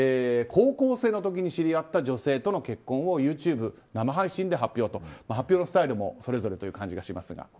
高校生の時に知り合った女性との結婚をＹｏｕＴｕｂｅ生配信で発表と発表のスタイルもそれぞれという感じがしますが。